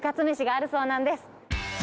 めしがあるそうなんです。